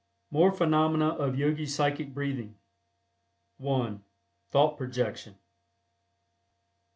MORE PHENOMENA OF YOGI PSYCHIC BREATHING. (1) THOUGHT PROJECTION.